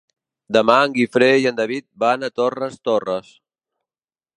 Demà en Guifré i en David van a Torres Torres.